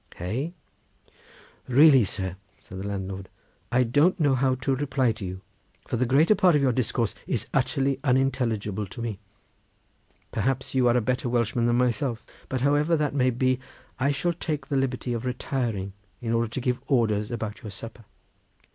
Hey?" "Really, sir," said the landlord, "I don't know how to reply to you, for the greater part of your discourse is utterly unintelligible to me. Perhaps you are a better Welshman than myself; but however that may be, I shall take the liberty of retiring in order to give orders about your supper."